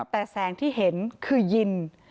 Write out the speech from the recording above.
แต่แสงที่เห็นคือยิน